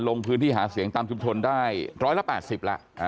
ลงพื้นที่หาเสียงตามชุมชนได้๑๘๐แล้ว